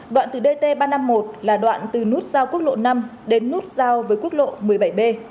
đoạn từ dt ba trăm năm mươi một là đoạn từ nút giao quốc lộ năm đến nút giao với quốc lộ một mươi bảy b